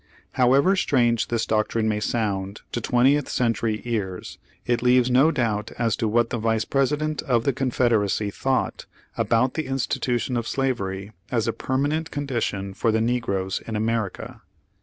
However strange this doctrine may sound to twentieth century ears, it leaves no doubt as to what the Vice president of the Confederacy thought about the institution of slavery as a per manent condition for the negroes in America.